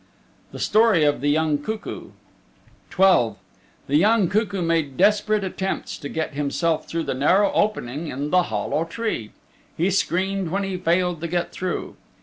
The Story of the Young Cuckoo XII The young cuckoo made desperate attempts to get himself through the narrow opening in the hollow tree. He screamed when he failed to get through.